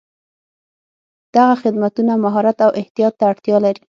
دغه خدمتونه مهارت او احتیاط ته اړتیا لري.